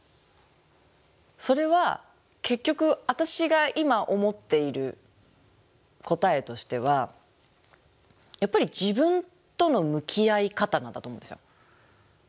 それは結局私が今思っている答えとしてはやっぱり自分との向き合い方なんだと思うんですよ。